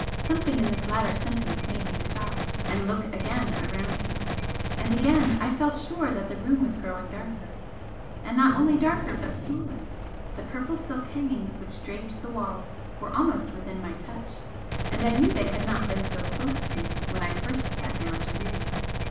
Something in this latter sentence made me stop, and look again around me and again I felt sure that the room was growing darker, and not only darker but smaller. The purple silk hangings which draped the walls were almost within my touch, and I knew they had not been so close to me when I first sat down to read.